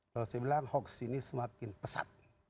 kalau saya bilang hoax ini semakin pesat